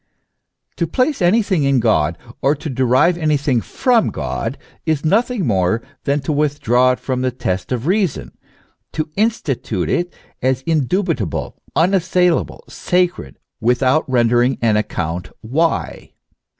To place anything in God, or to derive anything from God, is nothing more than to withdraw it from the test of reason, to institute it as indubitable, unassailable, sacred, without rendering an account why.